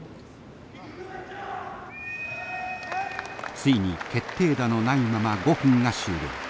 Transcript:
ついに決定打のないまま５分が終了。